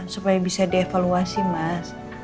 supaya bisa dievaluasi mas